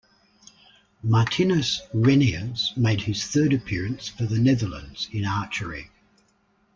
Martinus Reniers made his third appearance for the Netherlands in archery.